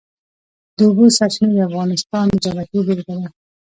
د اوبو سرچینې د افغانستان د جغرافیې بېلګه ده.